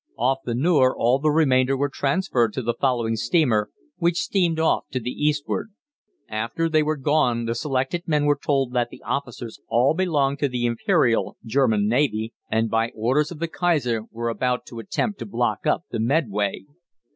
Off the Nore all the remainder were transferred to the following steamer, which steamed off to the eastward. After they were gone the selected men were told that the officers all belonged to the Imperial German Navy, and by orders of the Kaiser were about to attempt to block up the Medway.